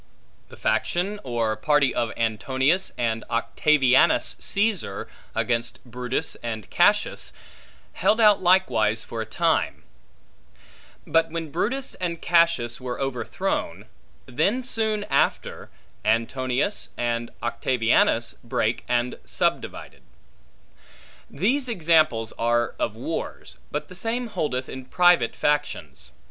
The faction or party of Antonius and Octavianus Caesar, against Brutus and Cassius, held out likewise for a time; but when Brutus and Cassius were overthrown, then soon after, Antonius and Octavianus brake and subdivided. These examples are of wars, but the same holdeth in private factions.